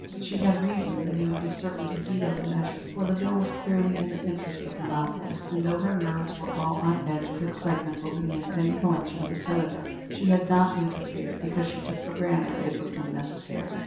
She had reasoned that he would be certain to veto the measure, for the bill was clearly in the interest of monopoly, and though her nerves were all on edge with excitement over the impending election of a Senator, she had not interfered because she took for granted that it was unnecessary.